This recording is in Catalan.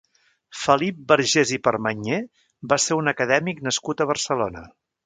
Felip Vergés i Permanyer va ser un acadèmic nascut a Barcelona.